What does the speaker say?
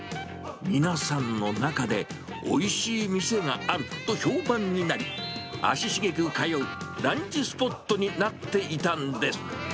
皆さんの中で、おいしい店があると評判になり、足しげく通うランチスポットになっていたんです。